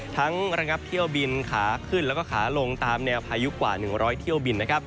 ระงับเที่ยวบินขาขึ้นแล้วก็ขาลงตามแนวพายุกว่า๑๐๐เที่ยวบิน